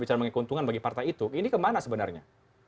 bicara mengikuntungan bagi partai itu ini kemana sebenarnya